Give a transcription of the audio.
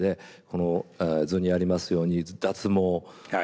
この図にありますように脱毛ありますよね。